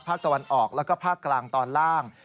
ภาคตะวันออกแล้วก็ภาคกลางตอนล่าง